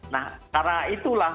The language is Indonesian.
nah karena itulah